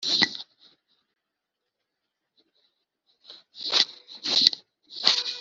nti: nkamwe mumaze iminsi